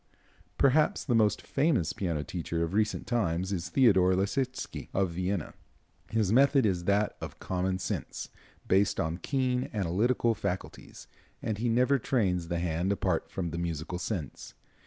Perhaps the most famous piano teacher of recent times is Theodore Leschetitzky, of Vienna. His method is that of common sense, based on keen analytical faculties, and he never trains the hand apart from the musical sense.